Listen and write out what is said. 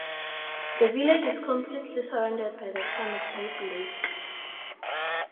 The village is completely surrounded by the Town of Rib Lake.